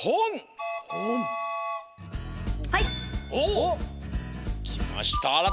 おっきました